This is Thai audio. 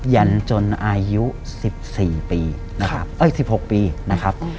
หยันจนอายุ๑๖ปีนะครับ